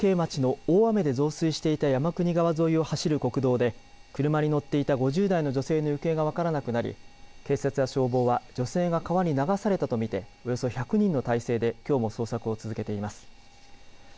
きのう中津市耶馬渓町の大雨で増水していた山国川沿いを走る国道で車に乗っていた５０代の女性の行方がわからなくなり警察や消防は女性が川に流されたと見ておよそ１００人の体制できょうも捜索を続けています。